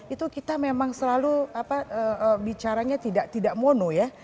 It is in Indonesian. itu kita memang selalu bicaranya tidak mono ya